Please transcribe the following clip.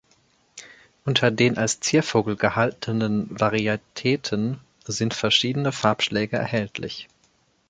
Unter den als Ziervogel gehaltenen Varietäten sind verschiedene Farbschläge erhältlich.